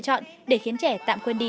tôi dạy nhé bạn nước này